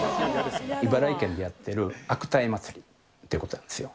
茨城県でやってる、悪態まつりっていうことなんですよ。